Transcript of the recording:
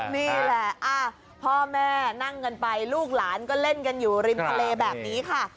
นี่แหละพ่อแม่นั่งกันไปลูกหลานก็เล่นกันอยู่ริมทะเลแบบนี้ค่ะ